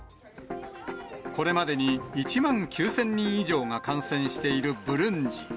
これまでに１万９０００人以上が感染しているブルンジ。